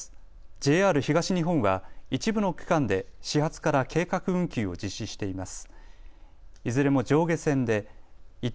ＪＲ東日本は一部の区間で始発から計画運休を実施しています。